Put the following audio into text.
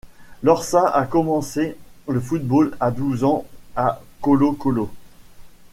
Lorca a commencé le football à douze ans à Colo-Colo.